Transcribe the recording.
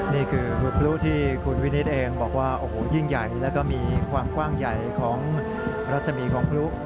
นี่คือพลุที่คุณวินิตเองบอกว่าโอ้โหยิ่งใหญ่แล้วก็มีความกว้างใหญ่ของรัศมีของพลุ